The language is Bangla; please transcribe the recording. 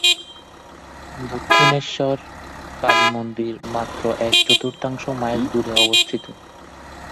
দক্ষিণেশ্বর কালী মন্দির মাত্র এক চতুর্থাংশ মাইল দূরে অবস্থিত।